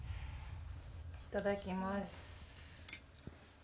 いただきます。